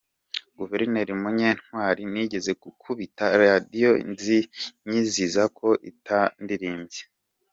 Guverineri Munyantwali: Nigeze gukubita iradiyo nyiziza ko itandirimbye.